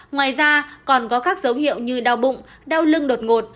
ngoài ra còn có các dấu hiệu như đau bụng đau lưng đột ngột